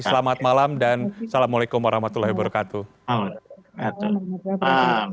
selamat malam dan assalamualaikum warahmatullahi wabarakatuh